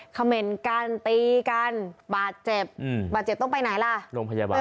เขม่นกันตีกันบาดเจ็บอืมบาดเจ็บต้องไปไหนล่ะโรงพยาบาล